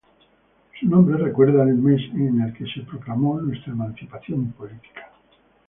Su nombre recuerda al mes en el que se proclamó nuestra emancipación política".